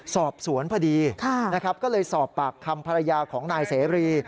สอบสวนพอดีนะครับก็เลยสอบปากคำภรรยาของนายเสรี